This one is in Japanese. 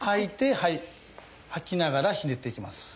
吐きながらひねっていきます。